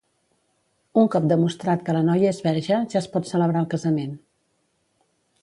Un cop demostrat que la noia és verge ja es pot celebrar el casament.